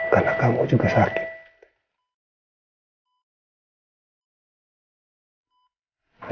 karena kamu juga sakit